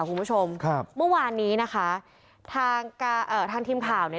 คุณผู้ชมครับเมื่อวานนี้นะคะทางเอ่อทางทีมข่าวเนี่ย